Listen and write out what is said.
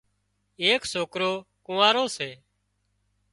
ايڪ سوڪرو ڪونئارو سي